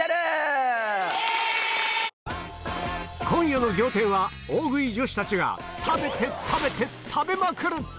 今夜の『仰天』は大食い女子たちが食べて食べて食べまくる！